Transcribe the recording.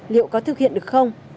liệu có thực hiện được không